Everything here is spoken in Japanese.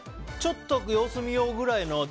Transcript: ちょっと様子見ようぐらいの。